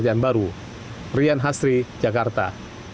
lihat link di deskripsi di kolom komentar